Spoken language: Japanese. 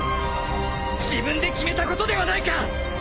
自分で決めたことではないか！